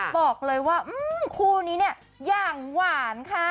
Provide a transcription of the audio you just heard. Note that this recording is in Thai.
บอกเลยว่าคู่นี้เนี่ยอย่างหวานค่ะ